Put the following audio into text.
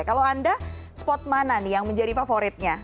kalau anda spot mana nih yang menjadi favoritnya